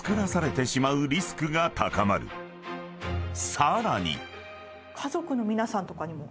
［さらに］